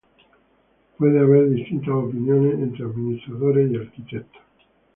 Puede haber distintas opiniones entre administradores y arquitectos.